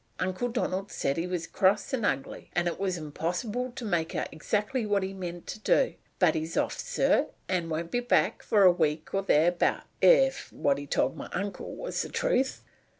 Uncle Donald said he was cross and ugly, and it was impossible to make out exactly what he meant to do. But he's off, sir, and won't be back for a week or thereabout, if what he told my uncle was the truth."